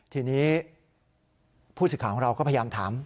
ทีนี้ผู้สื่อข่าวของเราก็พยายามถาม